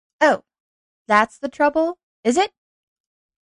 Oh, that's the trouble, is it?